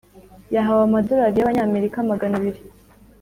yahawe amadorari y amanyamerika magana abiri